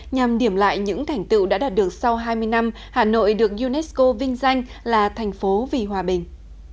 nhằm điểm lại những thành tựu đã đạt được sau hai mươi năm hà nội được unesco vinh danh là thành phố vì hòa bình